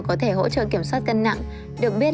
có thể hỗ trợ kiểm soát cân nặng được biết